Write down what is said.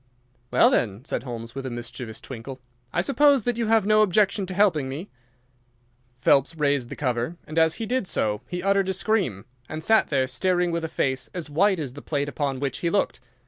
"Well, then," said Holmes, with a mischievous twinkle, "I suppose that you have no objection to helping me?" Phelps raised the cover, and as he did so he uttered a scream, and sat there staring with a face as white as the plate upon which he looked.